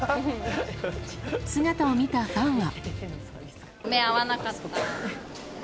姿を見たファンは。